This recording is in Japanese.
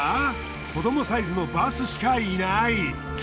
子どもサイズのバスしかいない。